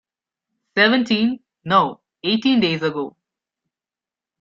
Seventeen, no, eighteen days ago.